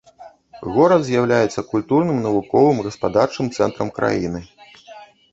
Горад з'яўляецца культурным, навуковым, гаспадарчым цэнтрам краіны.